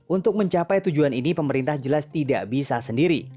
untuk mencapai tujuan ini pemerintah jelas tidak bisa sendiri